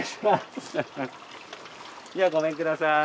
じゃごめんください。